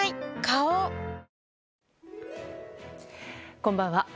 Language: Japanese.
花王こんばんは。